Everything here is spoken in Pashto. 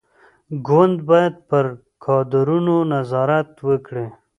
ګوند باید پر کادرونو نظارت وکړي.